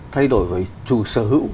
thay đổi về chủ sở hữu